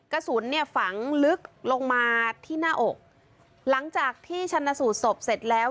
กระสุนเนี่ยฝังลึกลงมาที่หน้าอกหลังจากที่ชันสูตรศพเสร็จแล้ว